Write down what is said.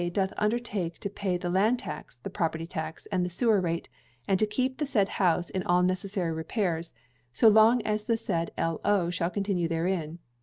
doth undertake to pay the land tax, the property tax, and the sewer rate, and to keep the said house in all necessary repairs, so long as the said L.O. shall continue therein.